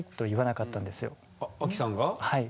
はい。